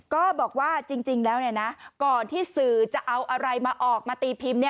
ก็บอกว่าจริงแล้วก่อนที่สื่อจะเอาอะไรมาออกมาตีพิมพ์